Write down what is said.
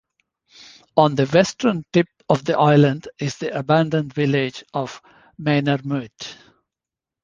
On the western tip of the island is the abandoned village of Manermiut.